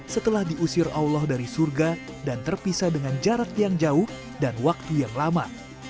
setelah diusir allah dari surga dan terpisah dengan jarak yang jauh dan waktu yang lama